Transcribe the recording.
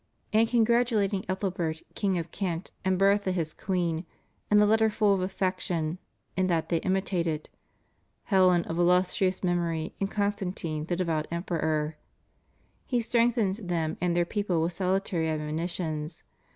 ^ And congratulating Ethelbert, King of Kent, and Bertha his Queen, in a letter full of affec tion, in that they imitated " Helen, of illustrious memory, and Constantine, the devout Emperor,"' he strengthens them and their people with salutary admonitions.